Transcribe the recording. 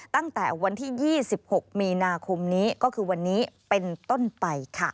ตั้งแต่วันที่๒๖มีนาคมนี้ก็คือวันนี้เป็นต้นไปค่ะ